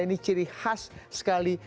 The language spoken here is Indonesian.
ini ciri khas sekali